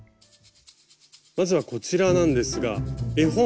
まずはこちらなんですが絵本。